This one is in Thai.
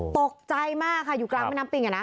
ตกใจมากค่ะอยู่กลางแม่น้ำปิง